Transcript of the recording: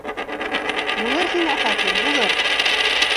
Булыр һиңә фатир, булыр!